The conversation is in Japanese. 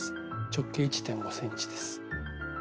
直径１．５ｃｍです。